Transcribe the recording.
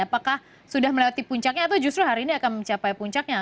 apakah sudah melewati puncaknya atau justru hari ini akan mencapai puncaknya